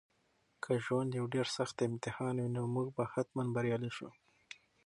که ژوند یو ډېر سخت امتحان وي نو موږ به حتماً بریالي شو.